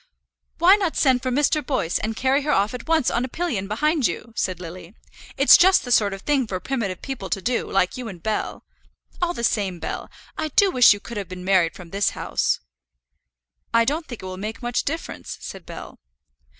"Why not send for Mr. Boyce, and carry her off at once on a pillion behind you?" said Lily. "It's just the sort of thing for primitive people to do, like you and Bell. All the same, Bell, I do wish you could have been married from this house." "I don't think it will make much difference," said Bell.